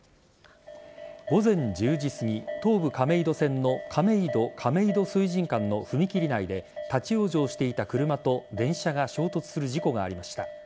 午前１０時すぎ東武亀戸線の亀戸亀戸水神間の踏切内で立ち往生していた車と電車が衝突する事故がありました。